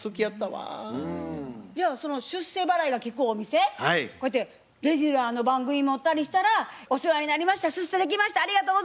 じゃあその出世払いがきくお店こうやってレギュラーの番組持ったりしたら「お世話になりました出世できましたありがとうございます」